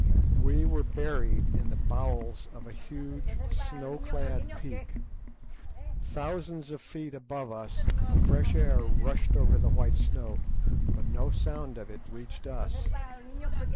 We were buried in the bowels of a huge snow clad peak. Thousands of feet above us the fresh air rushed over the white snow, but no sound of it reached us.